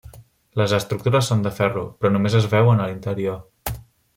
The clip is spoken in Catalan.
Les estructures són de ferro però només es veuen a l'interior.